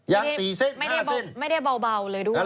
ยาง๔เส้น๕เส้น